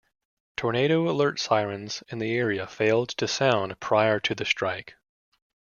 Tornado alert sirens in the area failed to sound prior to the strike.